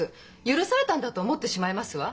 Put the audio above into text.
「許されたんだ」と思ってしまいますわ！